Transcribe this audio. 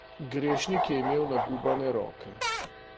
Grešnik je imel nagubane roke.